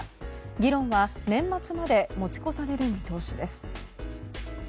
議論は、年末まで持ち越される見通しです。